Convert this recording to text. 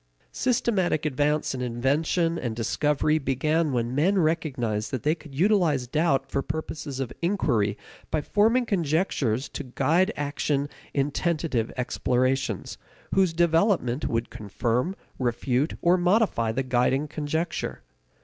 Systematic advance in invention and discovery began when men recognized that they could utilize doubt for purposes of inquiry by forming conjectures to guide action in tentative explorations, whose development would confirm, refute, or modify the guiding conjecture.